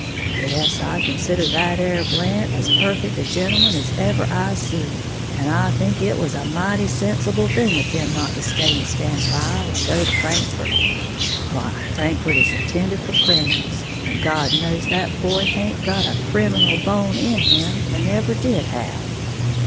"Yes, I consider that 'ere Blant as perfect a gentleman as ever I seed; and I think it was a mighty sensible thing of him not to stay and stand trial and go to Frankfort. Why, Frankfort is intended for criminals, and God knows that boy haint got a criminal bone in him, and never did have.